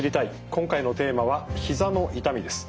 今回のテーマは「ひざの痛み」です。